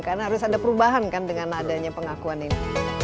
karena harus ada perubahan kan dengan adanya pengakuan ini